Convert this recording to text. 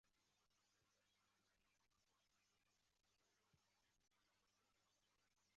在二十世纪开始暹罗猫已成为欧美受欢迎的猫品种之一。